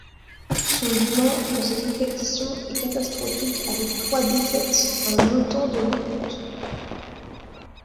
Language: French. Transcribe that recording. Son bilan dans cette compétition est catastrophique avec trois défaites en autant de rencontres.